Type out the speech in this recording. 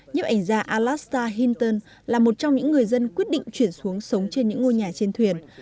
nhiếp ảnh gia alasta hinton là một trong những người dân quyết định chuyển xuống sống trên những ngôi nhà trên thuyền